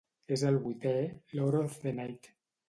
És el vuitè Lord of the Night.